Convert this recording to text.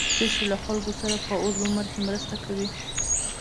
څه شی له خلکو سره په اوږد عمر کې مرسته کوي؟